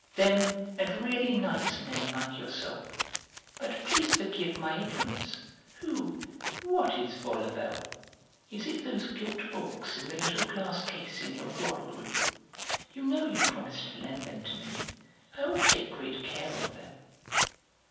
Them, and really nice men like yourself. But please forgive my ignorance. Who, what is Vaulabelle? Is it those gilt books in the little glass case in your drawing room? You know you promised to lend them to me; I will take great care of them."